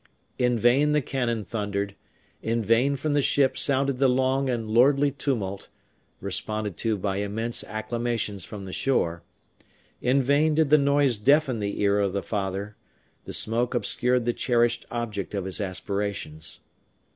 In vain the cannon thundered, in vain from the ship sounded the long and lordly tumult, responded to by immense acclamations from the shore; in vain did the noise deafen the ear of the father, the smoke obscured the cherished object of his aspirations.